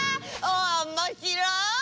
おもしろい！